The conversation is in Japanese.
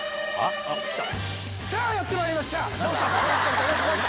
さあ、やってまいりました。